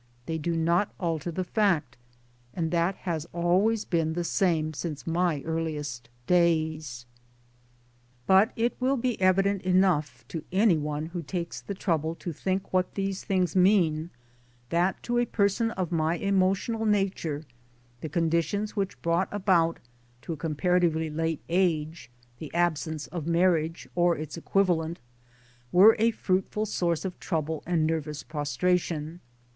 They do not UNIVERSITY EXTENSION! 97 alter the fact ; and that has always been the sarnie since my earliest days. 1 But it will be evident enough' to any one who takes the trouble to think what these things mean that to a person of my emotional nature the conditions which brought about to a com paratively late age the absence of marriage, or its equivalent, were a fruitful source of trouble and nervous prostration.